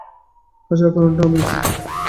হাসার কারনটা আমিই।